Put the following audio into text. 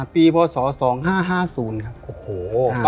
ปีพศ๒๕๕๐ครับ